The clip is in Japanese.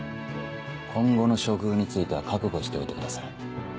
今後の処遇については覚悟しておいてください。